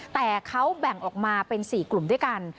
แต่เขาแบ่งออกมาเป็น๔กลุ่มด้วยกัน